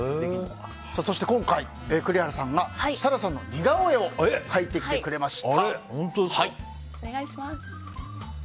そして今回、栗原さんが設楽さんの似顔絵を描いてきてくれました。